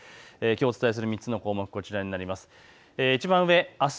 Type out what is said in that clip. きょうお伝えする３つの項目、こちらになります。